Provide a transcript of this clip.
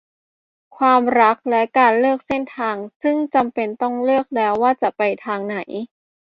ความรักและการเลือกเส้นทางซึ่งจำเป็นต้องเลือกแล้วว่าจะไปทางไหน